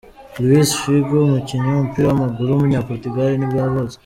Luís Figo, umukinnyi w’umupira w’amaguru w’umunyaportigal nibwo yavutse.